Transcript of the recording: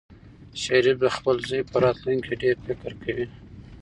شریف د خپل زوی په راتلونکي ډېر فکر کوي.